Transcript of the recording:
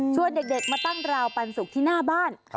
เด็กมาตั้งราวปันสุกที่หน้าบ้าน